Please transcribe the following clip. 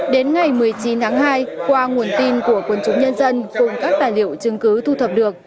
đến ngày một mươi chín tháng hai qua nguồn tin của quân chúng nhân dân cùng các tài liệu chứng cứ thu thập được